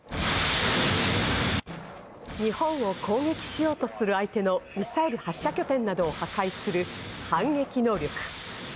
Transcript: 日本を攻撃しようとする相手のミサイル発射拠点などを破壊する反撃能力。